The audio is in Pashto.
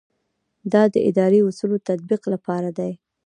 دا د اداري اصولو د تطبیق لپاره دی.